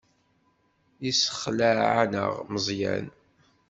Yessexleɛ-aneɣ Meẓyan.